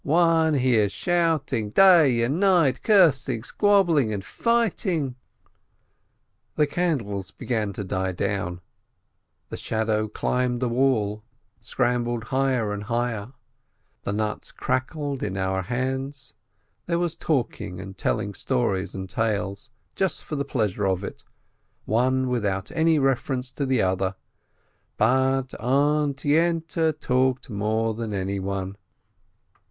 One hears shouting day and night, cursing, squabbling, and fighting." The candles began to die down, the shadow climbed the wall, scrambled higher and higher, the nuts crackled in our hands, there was talking and telling stories and tales, just for the pleasure of it, one without any reference to the other, but Aunt Yente talked more than anyone.